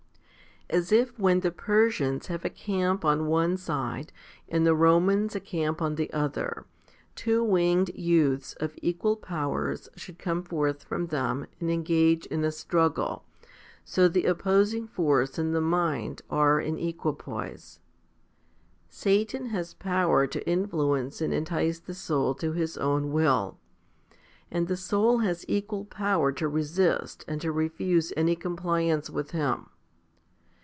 22. As if when the Persians have a camp on one side and the Romans a camp on the other, two winged youths of equal powers should come forth from them and engage in a struggle, so the opposing force and the mind are in equipoise. Satan has power to influence and entice the soul to his own will, and the soul has equal power to resist and to refuse any compliance with him.